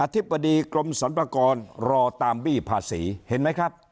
ธิบดีกรมสรรพากรรอตามบี้ภาษีเห็นไหมครับ